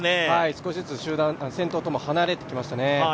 少しずつ集団、先頭とも離れてきましたね。